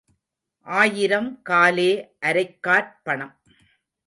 ஆயிரம் காலே அரைக்காற் பணம்.